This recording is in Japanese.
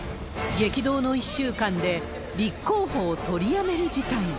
激動の１週間で立候補を取りやめる事態に。